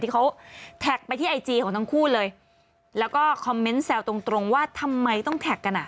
เขาแท็กไปที่ไอจีของทั้งคู่เลยแล้วก็คอมเมนต์แซวตรงตรงว่าทำไมต้องแท็กกันอ่ะ